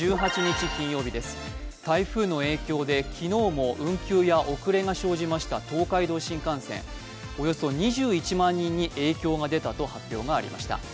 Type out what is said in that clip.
台風の影響で昨日も運休や遅れが生じました東海道新幹線、およそ２１万人に影響が出たと発表がありました。